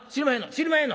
知りまへんの？